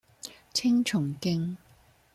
青松徑